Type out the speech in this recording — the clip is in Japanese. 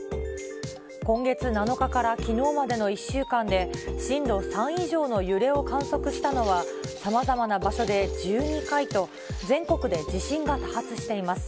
今月７日からきのうまでの１週間で、震度３以上の揺れを観測したのはさまざまな場所で１２回と、全国で地震が多発しています。